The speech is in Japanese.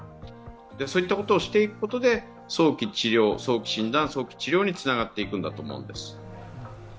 そういったことをしていくことで早期診断、早期治療につながっていくと思うんです。